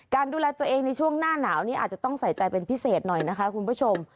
ดูแลตัวเองในช่วงหน้าหนาวนี้อาจจะต้องใส่ใจเป็นพิเศษหน่อยนะคะคุณผู้ชม